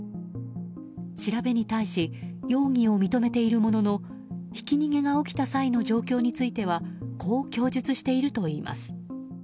調べに対し容疑を認めているもののひき逃げが起きた際の状況についてはこう供述しているといいます。